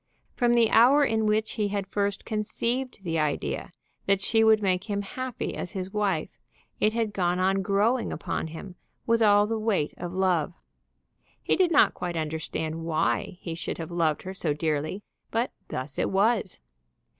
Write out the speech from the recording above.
From the hour in which he had first conceived the idea that she would make him happy as his wife, it had gone on growing upon him with all the weight of love, He did not quite understand why he should have loved her so dearly, but thus it was.